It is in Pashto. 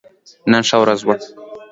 نن ښه ورځ وه